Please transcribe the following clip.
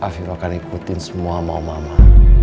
afif akan ikutin semua mau mama